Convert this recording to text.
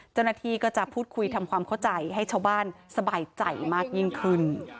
เจ้าหน้าที่ก็จะพูดคุยทำความเข้าใจให้ชาวบ้านสบายใจมากยิ่งขึ้น